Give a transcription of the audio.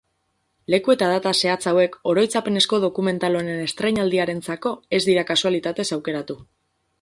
Leku eta data zehatz hauek oroitzapenezko dokumental honen estreinaldiarentzako ez dira kasualitatez aukeratu.